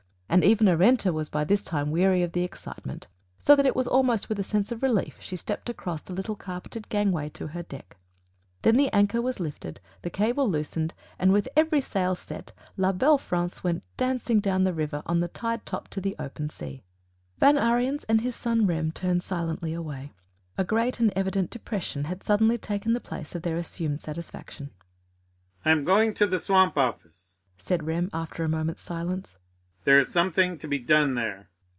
And even Arenta was by this time weary of the excitement, so that it was almost with a sense of relief she stepped across the little carpeted gangway to her deck. Then the anchor was lifted, the cable loosened, and with every sail set La Belle France went dancing down the river on the tide top to the open sea. Van Ariens and his son Rem turned silently away. A great and evident depression had suddenly taken the place of their assumed satisfaction. "I am going to the Swamp office," said Rem after a few moments' silence, "there is something to be done there."